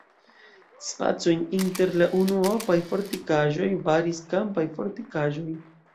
Spacojn inter la unuopaj fortikaĵoj baris kampaj fortikaĵoj.